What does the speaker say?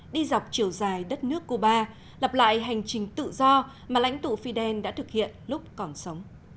đi dọc chiều dài đất nước cuba lập lại hành trình tự do mà lãnh tụ fidel đã thực hiện lúc còn sống